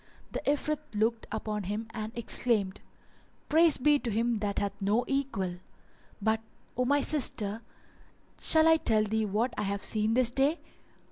The Ifrit looked upon him and exclaimed, "Praise be to Him that hath no equal! But, O my sister, shall I tell thee what I have seen this day?"